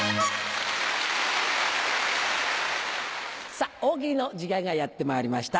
さぁ大喜利の時間がやってまいりました。